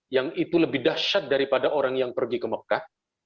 yang itu lebih dahsyat daripada orang yang pergi ke mekah